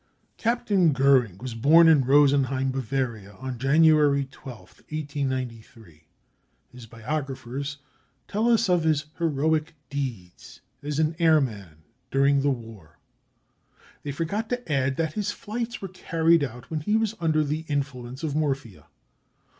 Captain Goering was born in Rosenheim, Bavaria, on January 12 th, 1893. His biographers tell us of his heroic deeds as an airman during the war. They forget to add that his flights were carried out when he was under the influence of morphia.